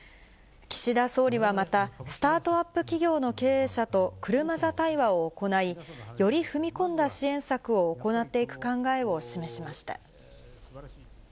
岸田総理はまた、スタートアップ企業の経営者と車座対話を行い、より踏み込んだ支援策を行っていく考えを示しました。